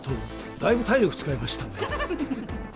だいぶ体力使いました。